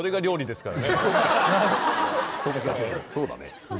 そうだね。